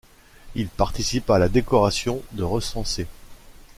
Il participe à la décoration de recensés.